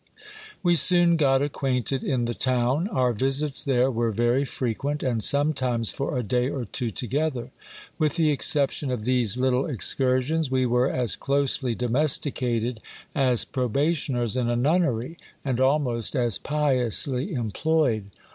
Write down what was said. We soon got acquainted in the town. Our visits there were very frequent ; and sometimes for a day or two together. With the exception of these little excursions, we were as closely domesticated as probationers in a nunnery, and almost as piously employed.